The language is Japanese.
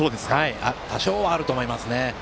多少はあると思いますね。